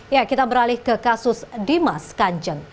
ya kita beralih ke kasus dimas kanjeng